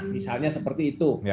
misalnya seperti itu